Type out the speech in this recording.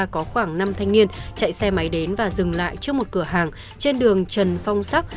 có khoảng năm thanh niên chạy xe máy đến và dừng lại trước một cửa hàng trên đường trần phong sắc